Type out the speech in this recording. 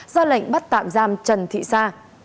do lệnh bắt tạm giam trần thị sa